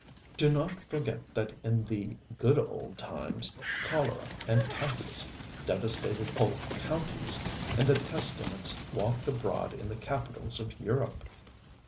Do not forget that in the ŌĆ£good old timesŌĆØ cholera and typhus devastated whole counties, and that pestilence walked abroad in the capitals of Europe.